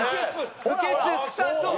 「不潔・臭そう」